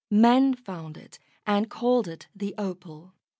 Men found it and called it the Opal.